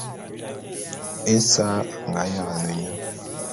Esa a nga yalane nye.